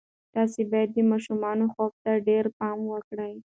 تاسې باید د ماشومانو خوب ته ډېر پام وکړئ.